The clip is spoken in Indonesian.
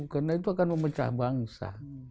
karena itu akan memecah bangsa